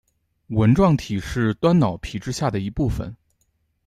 纹状体是端脑皮质下的一部份。